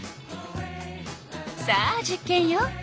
さあ実験よ。